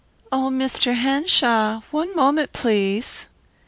"Oh, Mr. Henshaw, one moment please!"